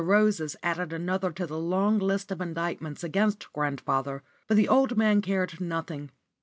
Rose's added another to the long list of indictments against grandfather, but the old man cared nothing.